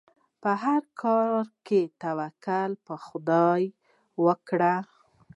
په هر کار کې توکل په خدای وکړئ.